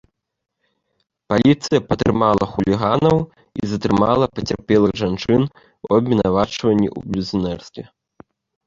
Паліцыя падтрымала хуліганаў і затрымала пацярпелых жанчын у абвінавачванні ў блюзнерстве.